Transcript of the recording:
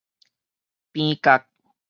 邊角